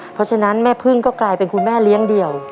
เพราะฉะนั้นแม่พึ่งก็กลายเป็นคุณแม่เลี้ยงเดี่ยว